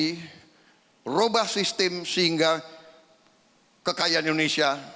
merubah sistem sehingga kekayaan indonesia